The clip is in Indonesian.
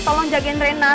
tolong jagain rena